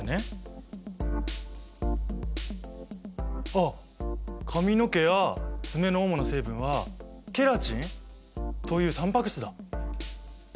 あっ髪の毛や爪の主な成分はケラチンというタンパク質だ。